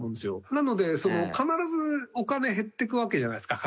なので必ずお金減っていくわけじゃないですか